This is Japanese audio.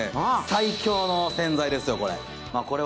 最強の洗剤ですよ